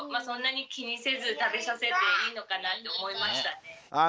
そんなに気にせず食べさせていいのかなって思いましたね。